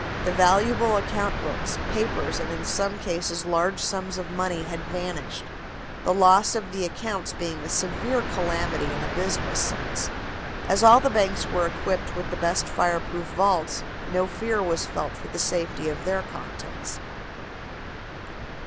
The valuable account books, papers and in some cases large sums of money had vanished, the loss of the accounts being a severe calamity in a business sense. As all the banks were equipped with the best fire proof vaults, no fear was felt for the safety of their contents.